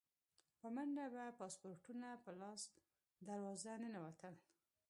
په منډه به پاسپورټونه په لاس دروازه ننوتل.